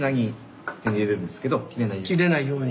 切れないように。